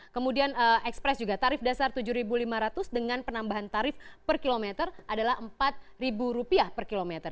kemudian ekspres juga tarif dasar rp tujuh lima ratus dengan penambahan tarif per kilometer adalah rp empat per kilometer